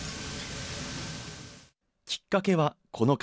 きっかけはこの方。